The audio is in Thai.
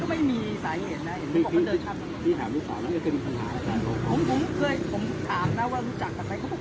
ตอนนี้กำหนังไปคุยของผู้สาวว่ามีคนละตบ